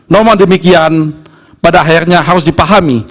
namun demikian pada akhirnya harus dipahami